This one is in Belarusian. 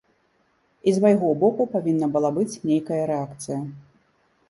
І з майго боку павінна была быць нейкая рэакцыя.